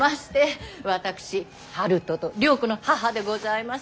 私春風と涼子の母でございます。